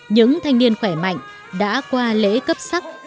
những thanh niên khỏe mạnh đã qua lễ cấp sắc